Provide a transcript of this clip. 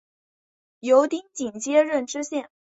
由丁谨接任知县。